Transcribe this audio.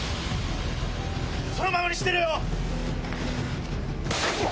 そのままにしてろよ！